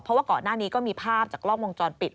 เพราะว่าก่อนหน้านี้ก็มีภาพจากกล้องวงจรปิด